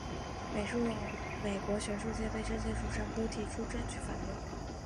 美国学术界对这些主张都提出证据反驳。